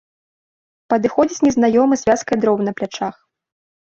Падыходзіць незнаёмы з вязкай дроў на плячах.